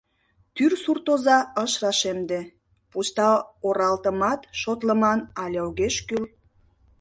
Тӱр суртоза ыш рашемде: пуста оралтымат шотлыман але огеш кӱл.